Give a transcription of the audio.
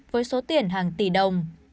với số tiền hàng tỷ đồng